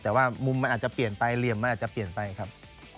แต่ว่ามุมมันอาจจะเปลี่ยนไปเหลี่ยมมันอาจจะเปลี่ยนไปครับ